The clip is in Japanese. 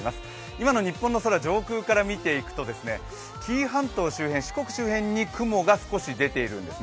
今の日本の空、上空から見ていくと紀伊半島周辺、四国周辺に少し雲が出ています。